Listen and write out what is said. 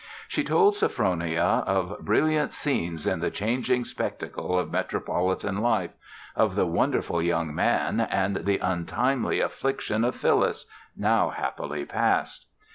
She told Sophronia of brilliant scenes in the changing spectacle of metropolitan life, of the wonderful young man and the untimely affliction of Phyllis, now happily past.